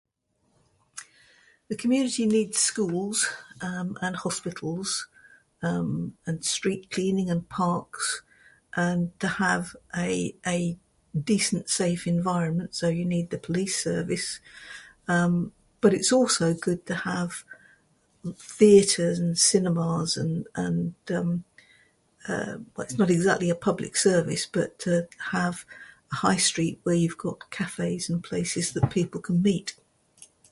The community needs schools, um, and hospitals, um, and street cleaning and parks, um, to have a a decent safe environment, so you need the police service. Um, but it's also good to have theaters and cinemas and, um, um, uh, well it's not exactly a public service, but, uh, to have a high street where you've got cafes in places where people can meet.